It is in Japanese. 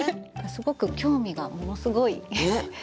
すごく興味がものすごいあります。